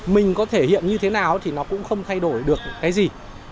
mình có thể hiện như thế nào thì nó cũng không thay đổi được cái gì